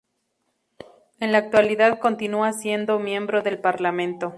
En la actualidad continúa siendo miembro del Parlamento.